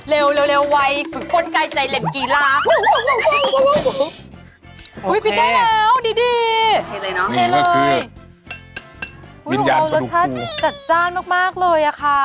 แล้วก็คุกไส้แบบนี้เหรอใช่ครับผมใส่ในนั้นแหละ